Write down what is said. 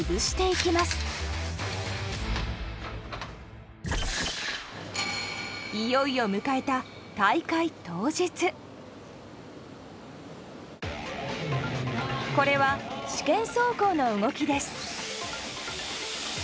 いよいよ迎えたこれは試験走行の動きです。